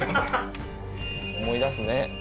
思い出すね。